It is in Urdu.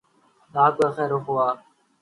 آپ کا خیرخواہ۔